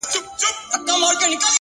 د نورو مرسته انسان بډای کوي،